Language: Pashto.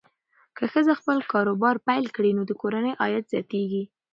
که ښځه خپل کاروبار پیل کړي، نو د کورنۍ عاید زیاتېږي.